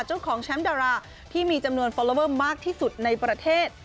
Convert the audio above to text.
เจ้าของแชมป์ดาราที่มีจำนวนฟอลลอเวอร์มากที่สุดในประเทศ